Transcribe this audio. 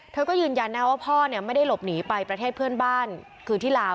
เธอก็ยืนยันนะว่าพ่อไม่ได้หลบหนีไปประเทศเพื่อนบ้านคือที่ลาว